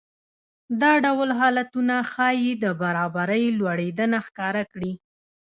دا ډول حالتونه ښايي د برابرۍ لوړېدنه ښکاره کړي